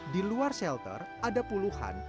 di luar shelter ada puluhan